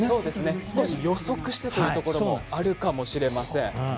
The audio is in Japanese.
少し予測してというところもあるかもしれません。